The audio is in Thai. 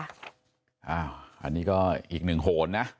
อันนี้ก็อีกหนึ่งโหนนะ